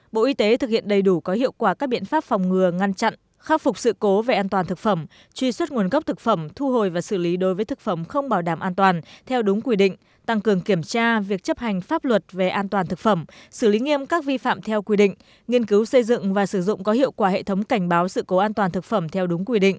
bộ y tế thực hiện đầy đủ có hiệu quả các biện pháp phòng ngừa ngăn chặn khắc phục sự cố về an toàn thực phẩm truy xuất nguồn gốc thực phẩm thu hồi và xử lý đối với thực phẩm không bảo đảm an toàn theo đúng quy định tăng cường kiểm tra việc chấp hành pháp luật về an toàn thực phẩm xử lý nghiêm các vi phạm theo quy định nghiên cứu xây dựng và sử dụng có hiệu quả hệ thống cảnh báo sự cố an toàn thực phẩm theo đúng quy định